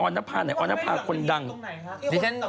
อ่อนนัภาคอะไรเลย